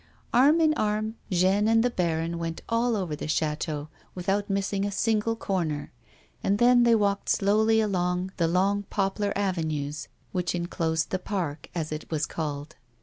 Arm in arm Jeanne and the baron went all over the ch§,teau without missing a single corner, and then they walked slowly along the long poplar avenues which enclosed the park, as it was called.